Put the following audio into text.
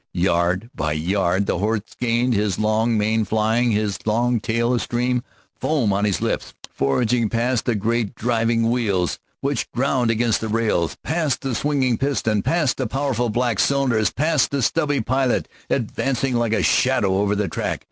Yard by yard the horse gained, his long mane flying, his long tail astream, foam on his lips, forging past the great driving wheels which ground against the rails; past the swinging piston; past the powerful black cylinders; past the stubby pilot, advancing like a shadow over the track.